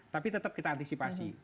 tapi tetap kita antisipasi